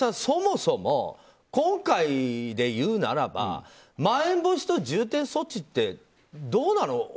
そもそも今回でいうならばまん延防止等重点措置ってどうなの？